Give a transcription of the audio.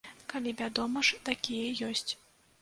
Калі, вядома ж, такія ёсць.